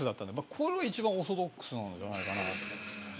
これは一番オーソドックスじゃないかな。